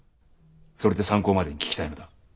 それで参考までに聞きたいのだ。